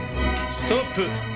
ストップ。